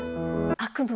悪夢？